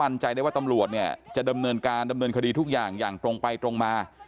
มั่นใจได้ว่าตำรวจเนี่ยจะดำเนินการดำเนินคดีทุกอย่างอย่างตรงไปตรงมา